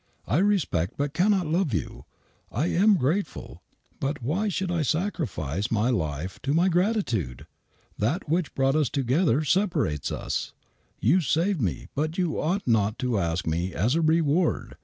I respect but cannot love you. I am grateful, but why should I sacrifice all my life to my gratitude ? That which brought us together separates us. You saved me, but you ought not to ask me as a reward.